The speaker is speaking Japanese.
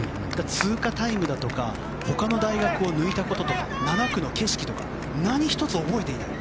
通過タイムだとかほかの大学を抜いたこととか７区の景色とか何一つ覚えていない。